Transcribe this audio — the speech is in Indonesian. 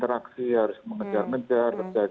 berarti yang sudah dihidupkan jendela b b b p p